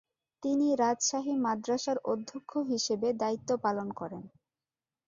তিনি রাজশাহী মাদ্রাসার অধ্যক্ষ হিসেবে দায়িত্ব পালন করেন।